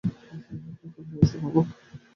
তোমাকেও ভালোবাসি, বাবা।